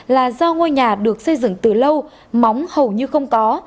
là do ngôi nhà được xây dựng từ lâu móng hầu như không có